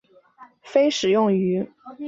非食用鱼。